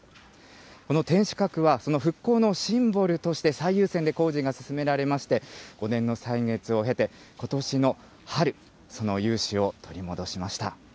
この天守閣は、その復興のシンボルとして最優先で工事が進められまして、５年の歳月を経て、ことしの春、その雄姿を取り戻しました。